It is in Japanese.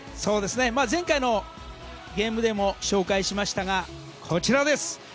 前回のゲームでも紹介しましたがこちらです。